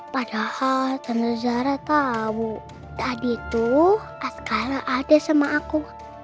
padahal tante zara tahu tadi tuh askara ada sama aku